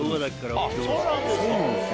そうなんですか！